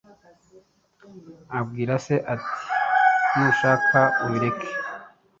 Abwira se ati nushake ubireke